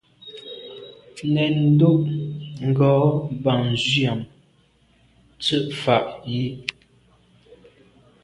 Nèn ndo’ ngo’ bàn nzwi am nse’ mfà yi.